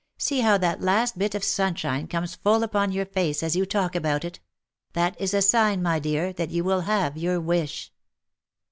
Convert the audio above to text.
see how that last bit of sunshine comes full upon your face as you talk about it ; that is a sign my dear that you will have your wish."